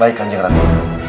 baik anjing ratu